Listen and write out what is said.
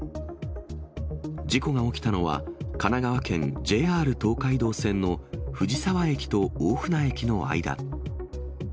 事故が起きたのは、神奈川県ＪＲ東海道線の藤沢駅と大船駅の間。